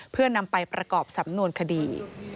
เพื่อนำไปประกอบสำนวนคดี